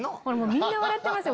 みんな笑ってますよ